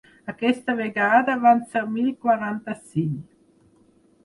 Aquesta vegada van ser mil quaranta-cinc.